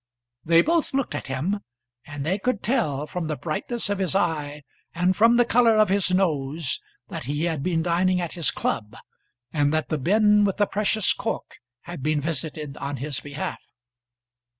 They both looked at him, and they could tell from the brightness of his eye and from the colour of his nose that he had been dining at his club, and that the bin with the precious cork had been visited on his behalf.